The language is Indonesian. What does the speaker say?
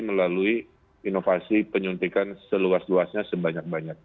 melalui inovasi penyuntikan seluas luasnya sebanyak banyak